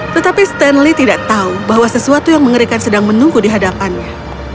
tetapi stanley tidak tahu bahwa sesuatu yang mengerikan sedang menunggu di hadapannya